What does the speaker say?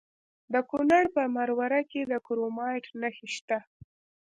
د کونړ په مروره کې د کرومایټ نښې شته.